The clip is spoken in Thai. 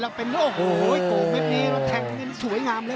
โอ้โห่ยโกรธเป็นดีแล้วแทงสวยงามเลย